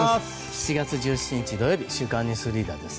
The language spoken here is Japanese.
７月１７日、土曜日「週刊ニュースリーダー」です。